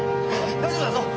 大丈夫だぞ。